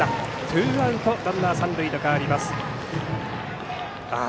ツーアウトランナー、三塁と変わります。